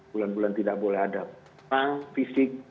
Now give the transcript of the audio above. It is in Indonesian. bulan bulan tidak boleh ada perang fisik